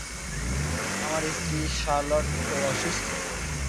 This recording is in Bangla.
আমার স্ত্রী, শার্লট, ও অসুস্থ।